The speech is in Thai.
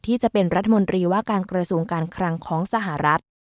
จะเป็นรัฐมนตรีว่าการกระทรวงการคลังของสหรัฐ